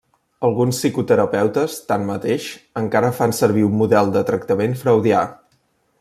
Alguns psicoterapeutes, tanmateix, encara fan servir un model de tractament freudià.